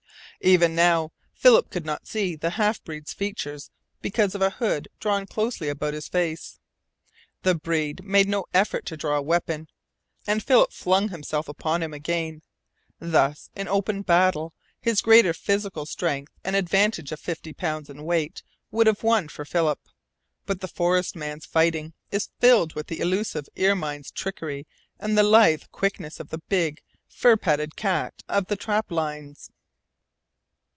Even now Philip could not see the half breed's features because of a hood drawn closely about his face. The "breed" had made no effort to draw a weapon, and Philip flung himself upon him again. Thus in open battle his greater physical strength and advantage of fifty pounds in weight would have won for Philip. But the forest man's fighting is filled with the elusive ermine's trickery and the lithe quickness of the big, fur padded cat of the trap lines.